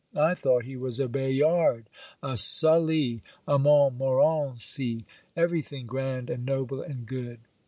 I thought he was a Bayard, a Sully, a Montmorenci; everything grand and noble and good.